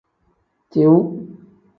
Tiu.